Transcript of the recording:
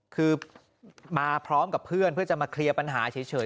คือมาพร้อมกับเพื่อนเพื่อจะมาเคลียร์ปัญหาเฉย